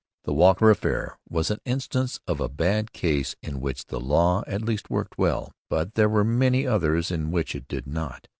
The Walker affair was an instance of a bad case in which the law at last worked well. But there were many others in which it did not.